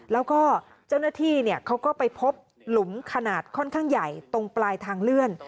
แล้วก็เจ้าหน้าที่เขาก็ไปพบหลุมขนาดค่อนข้างใหญ่ตรงปลายทางเลื่อน